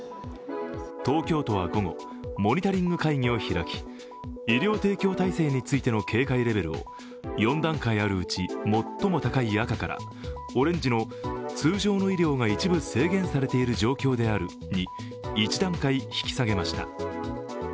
東京都は午後モニタリング会議を開き医療提供体制についての警戒レベルを４段階あるうち最も高い赤からオレンジの通常の医療が一部制限されている状況であるに１段階、引き下げました。